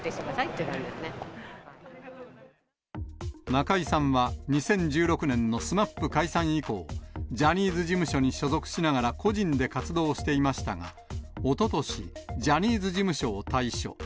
中居さんは２０１６年のＳＭＡＰ解散以降、ジャニーズ事務所に所属しながら個人で活動していましたが、おととし、ジャニーズ事務所を退所。